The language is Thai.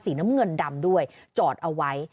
น้ำเงินดำด้วยจอดเอาไว้